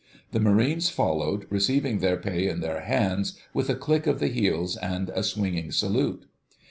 The Marines followed, receiving their pay in their hands, with a click of the heels and a swinging salute.